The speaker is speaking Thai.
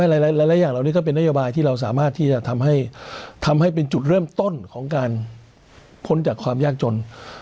หลายอย่างเหล่านี้ก็เป็นนโยบายที่เราสามารถที่จะทำให้เป็นจุดเริ่มต้นของการพ้นจากความยากจน